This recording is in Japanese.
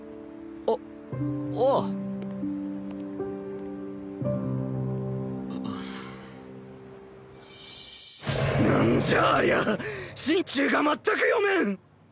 あああんんなんじゃありゃ⁉心中が全く読めん！